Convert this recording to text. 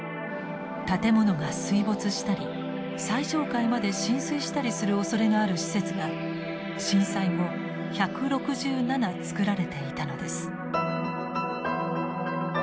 建物が水没したり最上階まで浸水したりするおそれのある施設が震災後１６７作られていたのです。